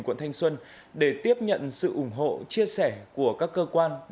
quận thanh xuân để tiếp nhận sự ủng hộ chia sẻ của các cơ quan